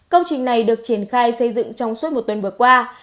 công trình này được triển khai xây dựng trong suốt một tuần vừa qua